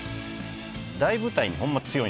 大舞台にホンマ強いんですよ。